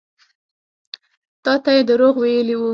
تا ته يې دروغ ويلي وو.